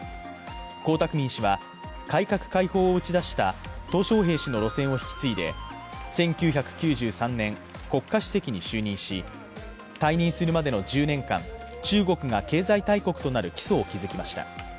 江沢民氏は、改革開放を打ち出したトウ小平氏の路線を引き継いで１９９３年、国家主席に就任し退任するまでの１０年間中国が経済大国となる基礎を築きました。